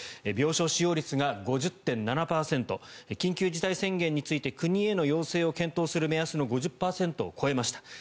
病床使用率が５０．７％緊急事態宣言について国への要請を検討する目安の５０％を超えました。